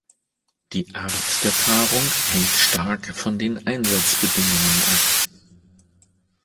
Die Art der Paarung hängt stark von den Einsatzbedingungen ab.